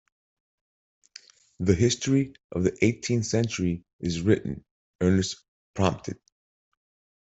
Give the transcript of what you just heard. The history of the eighteenth century is written, Ernest prompted.